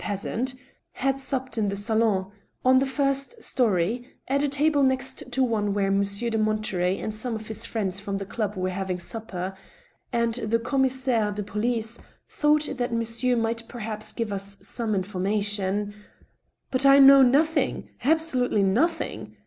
peasant) had supped in the salotiy on the first story, at a table next to one where Monsieur de Monterey and some of his friends from the club were having supper, ... and the commissaire de police thought that monsieur might perhaps give us some informa tion —"" But I know nothing — ^absolutely nothing."